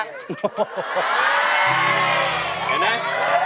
เห็นไหม